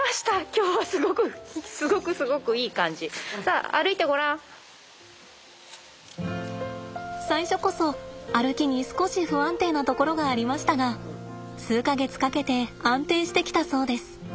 今日はすごく最初こそ歩きに少し不安定なところがありましたが数か月かけて安定してきたそうです。